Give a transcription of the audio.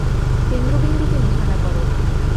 কেন্দ্রবিন্দুতে নিশানা কর!